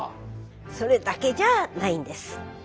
それだけじゃあないんです。